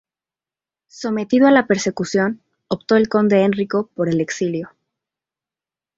Sometido a persecución, optó el conde Enrico por el exilio.